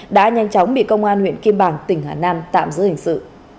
đã nhanh chóng bị công an huyện kim bảng tỉnh hà nam tạm giữ hình sự